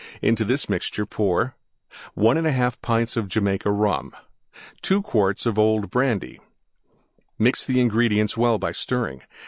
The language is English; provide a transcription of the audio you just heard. Into this mixture pour: 1 1/2 pints Jamaica Rum. 2 quarts old Brandy. Mix the ingredients well by stirring.